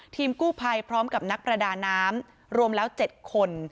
ทีมกู้ภัยพร้อมกับนักประดาน้ำรวมแล้ว๗คน